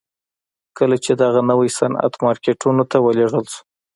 کله چې دغه نوی صنعت مارکیټونو ته ولېږل شو